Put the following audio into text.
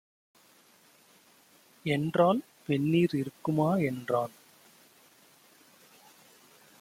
என்றாள். "வெந்நீர் இருக்குமா" என்றான்.